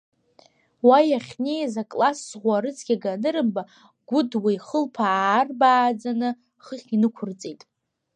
Уа иахьнеиз аклассӷәы арыцқьага анырымба, Гәыдуа ихылԥа аарбааӡаны хыхь инықәырҵеит.